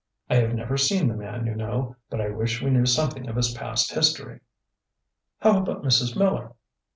I have never seen the man, you know; but I wish we knew something of his past history." "How about Mrs. Miller?"